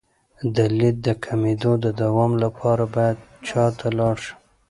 د لید د کمیدو د دوام لپاره باید چا ته لاړ شم؟